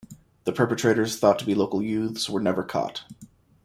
The perpetrators, thought to be local youths, were never caught.